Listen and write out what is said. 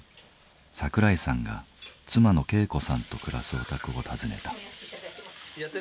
桜井さんが妻の恵子さんと暮らすお宅を訪ねた。